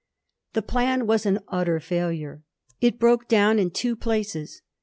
The plan was an utter failure. It broke down in two places.